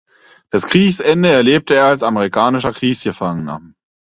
Das Kriegsende erlebte er als amerikanischer Kriegsgefangener.